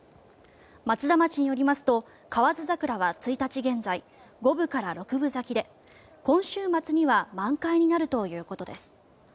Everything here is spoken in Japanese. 松田町によりますとカワヅザクラは１日現在５分から６分咲きで今週末には満開になるということです。